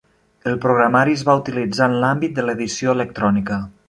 El programari es va utilitzar en l'àmbit de l'edició electrònica.